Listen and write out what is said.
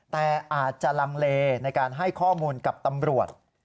แต่อาจจะลังเลในการให้ข้อมูลกับตำรวจ